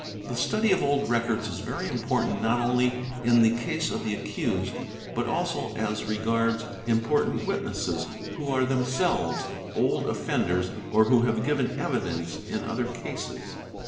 The study of old records is very important not only in the case of the accused, but also as regards important witnesses who are themselves old offenders or who have given evidence in other cases.